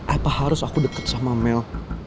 apa harus aku dekat sama mel